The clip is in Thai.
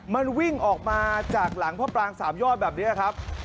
มันวิ่งออกมาจากหลังพระปรางสามยอดแบบนี้ครับ